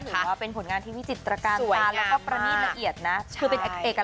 นั่นหรือว่าเป็นผลงานที่มีจิตรการสารแล้วก็ประนิทละเอียดนะคือเป็นเอกลักษณ์ของคนไทยเลยครับ